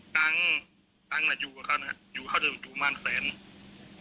ตังค์ตังค์น่ะอยู่กับเขานะอยู่เข้าในจุม่านแสนแสนนึงน่ะ